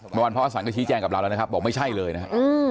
เมื่อวานพระอาศัลย์ก็ชี้แจ้งกับเราแล้วนะครับบอกไม่ใช่เลยนะฮะอืม